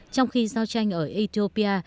trong khi giao tranh ở ethiopia